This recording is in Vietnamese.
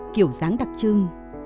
kiểu dáng đặc trưng